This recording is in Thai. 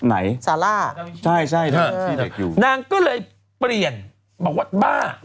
ไหนซาร่าใช่นางก็เลยเปลี่ยนบ้าขึ้นมา